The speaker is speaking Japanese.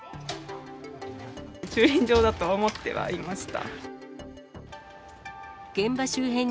駐輪場だと思ってはいました。